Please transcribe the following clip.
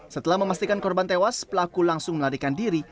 setelah memastikan korban tewas pelaku langsung melarikan diri